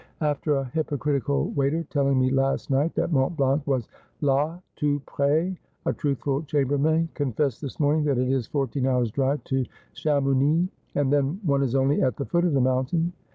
After a hypocritical waiter telling me last night that Mont Blanc was /«, tout pres, a truthful chambermaid con fessed this morning that it is fourteen hours' drive to Chamounix, and then one is only at the foot of the mountain.